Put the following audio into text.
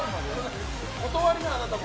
断りな、あなたも。